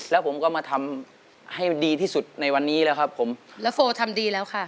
แล้วผมก็มาทำให้ดีที่สุดในวันนี้แล้วครับผมแล้วโฟทำดีแล้วค่ะ